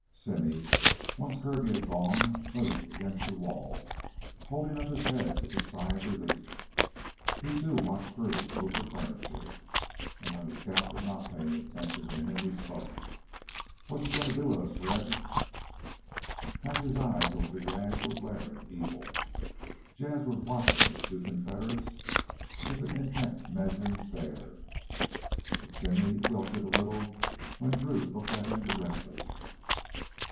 Simmy, once Kirby had gone, moved against the wall, holding up his head with a sigh of relief. He, too, watched Drew move the furniture. And when the scout did not pay any attention to him he spoke. "Wotcha gonna do wi' us, Reb?" Hatch's eyes, over the gag, were glaring evil; Jas' was watching the two Confederates with an intent measuring stare; but Simmy wilted a little when Drew looked at him directly.